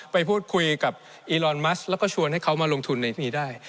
ไปพูดคุยกับอีลอนมัสแล้วก็ชวนให้เขามาลงทุนในที่นี้ได้